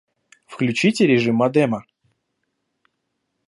Включите режим модема